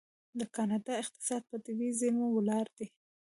د کاناډا اقتصاد په طبیعي زیرمو ولاړ دی.